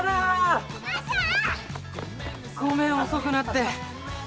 ごめん遅くなって。